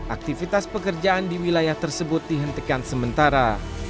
aktivitas pekerjaan di wilayah tersebut dihentikan sementara